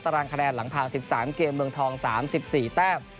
รางคะแนนหลังผ่าน๑๓เกมเมืองทอง๓๔แต้ม